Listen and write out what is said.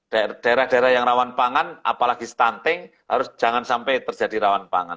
daerah daerah yang rawan pangan apalagi stunting harus jangan sampai terjadi rawan pangan